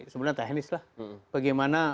sebenarnya teknis lah bagaimana